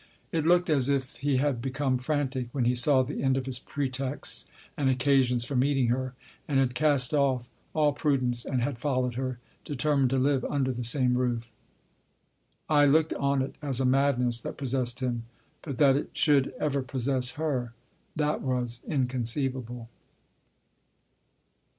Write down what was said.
It looked as if he had become frantic when he saw the end of his pretexts and occasions for meeting her, and had cast off all prudence and had followed her, determined to live under the same roof. I looked on it as a madness that possessed him. But that it should ever possess her that was incon ceivable.